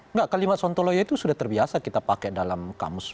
enggak kalimat sontoloyo itu sudah terbiasa kita pakai dalam kamus